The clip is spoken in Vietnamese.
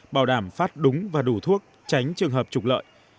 bảo đảm phát đúng và đủ thuốc tránh trường hợp trục lợi